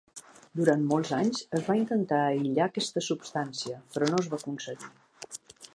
Durant molts anys es va intentar aïllar aquesta substància però no es va aconseguir.